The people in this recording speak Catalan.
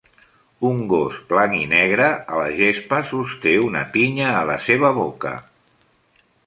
Un gos blanc i negre a la gespa sosté una pinya a la seva boca.